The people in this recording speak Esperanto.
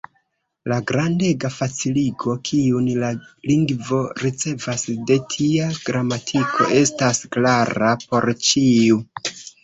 La grandega faciligo, kiun la lingvo ricevas de tia gramatiko, estas klara por ĉiu.